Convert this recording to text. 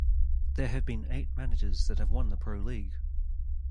There have been eight managers that have won the Pro League.